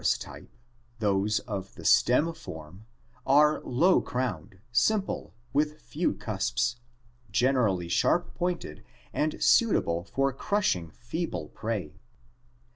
(After tms type, tnose 01 MlUhewj the stem form, are low crowned, simple, with few cusps, generally sharp pointed and suitable for crushing feeble prey.